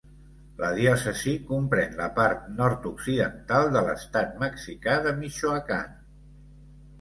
La diòcesi comprèn la part nord-occidental de l'estat mexicà de Michoacán.